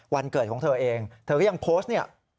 วันเกิดของเธอเองเธอก็ยังโพสต์เนี่ย